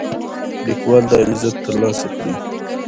لیکوال دا عزت ترلاسه کړی.